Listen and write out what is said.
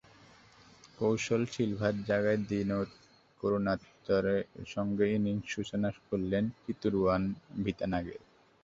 কৌশল সিলভার জায়গায় দিমুথ করুনারত্নের সঙ্গে ইনিংস সূচনা করলেন কিতুরুয়ান ভিতানাগে।